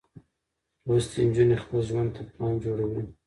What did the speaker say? لوستې نجونې خپل ژوند ته پلان جوړوي.